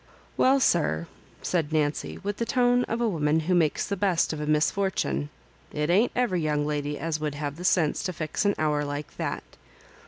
"Well, sir," said Nancy, with the tone of a woman who makes the best of a misfortune, " it ain't every young lady as would have the sense to fix an hour like that.